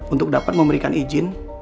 untuk dapat memberikan izin